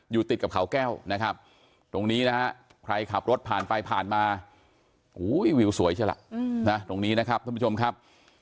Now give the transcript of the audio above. อยู่ติดกับเขาแก้วนะครับ